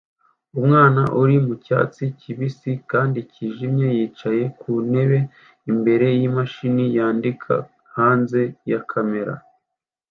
Umwana uri mucyatsi kibisi kandi cyijimye yicaye ku ntebe imbere yimashini yandika hanze ya kamera